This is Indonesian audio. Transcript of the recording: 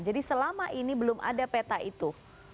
jadi selama ini belum ada peta itu